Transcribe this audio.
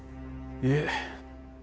いえ。